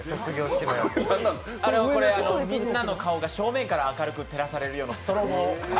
みんなの顔が正面から明るく照らされるようなストロボを。